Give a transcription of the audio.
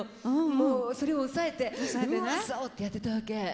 もうそれを抑えて「うわさを」ってやってたわけ。